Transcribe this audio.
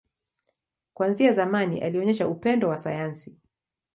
Kuanzia zamani, alionyesha upendo wa sayansi.